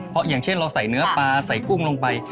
เพราะอย่างเช่นเราใส่เนื้อปลาใส่กุ้งลงไป